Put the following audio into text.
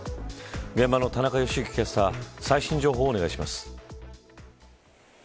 現場の田中良幸キャスター最新情報をお願いします。